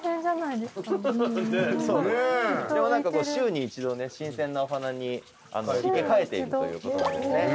でも週に一度ね新鮮なお花に生け替えているということなんですね。